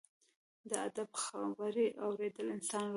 د ادب خبرې اورېدل انسان رغوي.